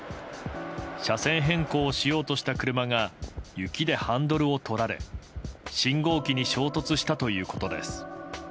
車線変更をしようとした車が雪でハンドルを取られ信号機に衝突したということです。